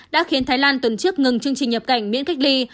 đã khiến thái lan tuần trước ngừng chương trình nhập cảnh miễn cách ly